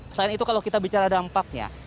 selain itu kalau kita bicara dampaknya